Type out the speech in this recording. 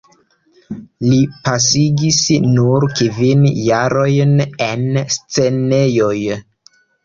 Li pasigis nur kvin jarojn en scenejoj.